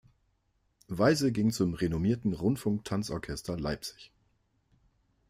Weise ging zum renommierten Rundfunk-Tanzorchester Leipzig.